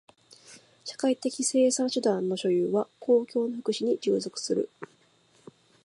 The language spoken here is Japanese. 社会的生産手段の所有は公共の福祉に従属する。